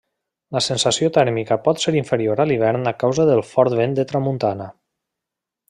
La sensació tèrmica pot ser inferior a l'hivern a causa del fort vent de tramuntana.